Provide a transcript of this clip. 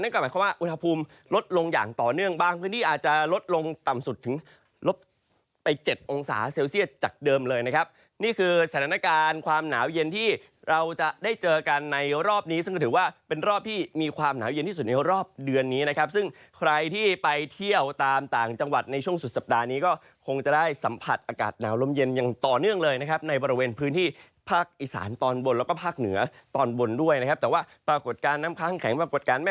เพราะว่าอุณหภูมิลดลงอย่างต่อเนื่องบางพื้นที่อาจจะลดลงต่ำสุดถึงลบไป๗องศาเซลเซียตจากเดิมเลยนะครับนี่คือสถานการณ์ความหนาวเย็นที่เราจะได้เจอกันในรอบนี้ซึ่งถือว่าเป็นรอบที่มีความหนาวเย็นที่สุดในรอบเดือนนี้นะครับซึ่งใครที่ไปเที่ยวตามต่างจังหวัดในช่วงสุดสัปดาห์นี้ก็คงจะได